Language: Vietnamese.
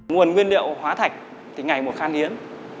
nguồn nguyên liệu hóa thạch thì ngày một khan yến